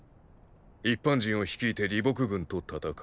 一般人を率いて李牧軍と戦う。